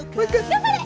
頑張れ！